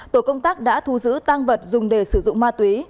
tổ công tác đã thu giữ tăng vật dùng để sử dụng ma túy